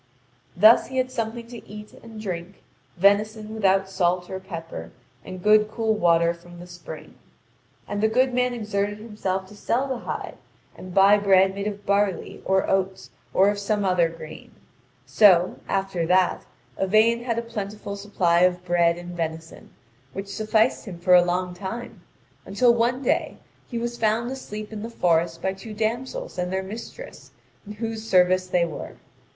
Thus he had something to eat and drink: venison without salt or pepper, and good cool water from the spring. And the good man exerted himself to sell the hide and buy bread made of barley, or oats, or of some other grain; so, after that, Yvain had a plentiful supply of bread and venison, which sufficed him for a long time, until one day he was found asleep in the forest by two damsels and their mistress, in whose service they were.